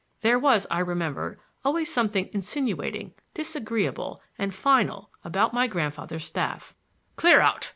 There was, I remembered, always something insinuating, disagreeable and final about my grandfather's staff. "Clear out!"